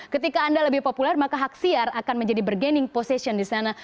ketika anda lebih populer maka hak siar akan menjadi bergaining position di sana